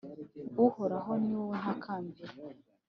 Uhoraho, ni wowe ntakambira,